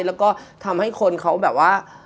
แล้วก็ทำให้คนเขาแบบว่า